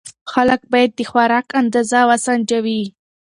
خلک باید د خوراک اندازه وسنجوي.